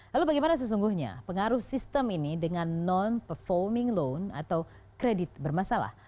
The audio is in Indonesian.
lalu bagaimana sesungguhnya pengaruh sistem ini dengan non performing loan atau kredit bermasalah